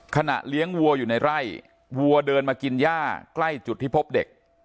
เลี้ยงวัวอยู่ในไร่วัวเดินมากินย่าใกล้จุดที่พบเด็ก